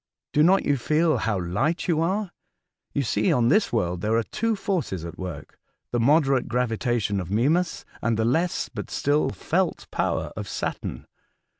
Do not you feel how light you are? You see on this world there are two forces ^t work — the moderate gravitation of Mimas and the less but still felt power of Saturn.